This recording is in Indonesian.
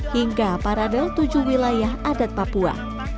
hingga parade tujuh wilayah adat papua